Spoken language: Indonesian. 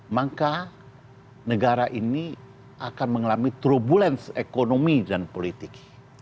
maka negara ini akan mengalami turbulence ekonomi dan politik